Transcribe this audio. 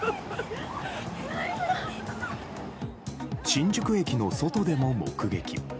新宿駅の外でも目撃。